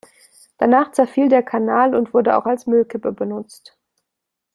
Danach zerfiel der Kanal und wurde auch als Müllkippe benutzt.